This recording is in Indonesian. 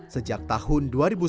sejak tahun dua ribu sembilan belas